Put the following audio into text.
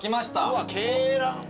うわ鶏卵。